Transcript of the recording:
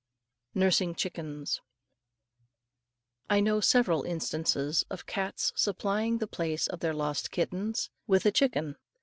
NURSING CHICKENS. I know several instances of cats supplying the place of their lost kittens with a chicken.